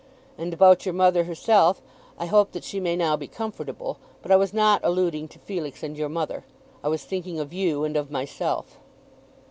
And about your mother herself, I hope that she may now be comfortable. But I was not alluding to Felix and your mother. I was thinking of you and of myself."